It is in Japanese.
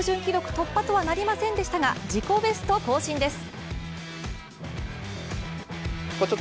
突破とはなりませんでしたが、自己ベスト更新です。